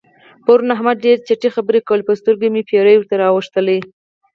پرون احمد ډېرې چټي خبرې کول؛ پر سترګو مې پېروي ورته راواوښتل.